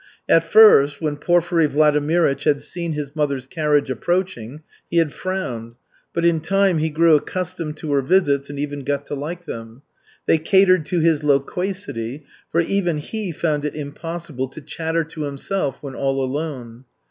At first, when Porfiry Vladimirych had seen his mother's carriage approaching he had frowned, but in time he grew accustomed to her visits and even got to like them. They catered to his loquacity, for even he found it impossible to chatter to himself when all alone.